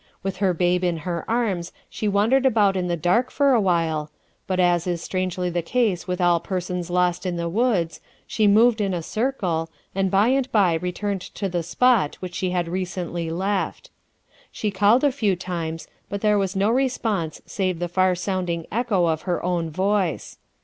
With her babe in her arms she wandered about in the dark for a while, but as is strangely the case with all persons lost in the woods, she moved in a circle, and by and by returned to the spot which she had recently left. She called a few times, but there was no response save the far sounding echo of her own voice.